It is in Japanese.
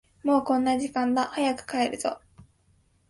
もうこんな時間だ、早く帰るぞ。